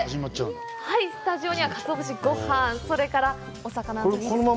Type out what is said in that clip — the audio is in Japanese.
スタジオにはかつお節、ごはん、それからお魚。